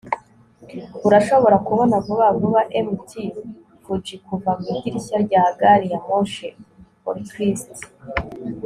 urashobora kubona vuba vuba mt. fuji kuva mu idirishya rya gari ya moshi. (orcrist